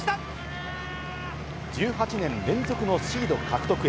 １８年連続のシード獲得へ。